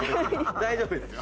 大丈夫ですよ。